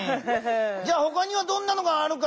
じゃほかにはどんなのがあるか？